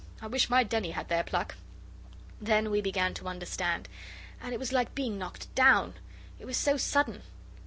I wish my Denny had their pluck.' Then we began to understand, and it was like being knocked down, it was so sudden.